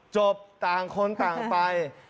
ต่างคนต่างไป